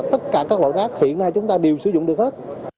tất cả các loại rác hiện nay chúng ta đều sử dụng được hết